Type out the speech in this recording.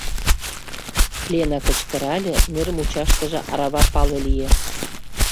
— Лена кычкырале, нер мучаштыже арава пале лие.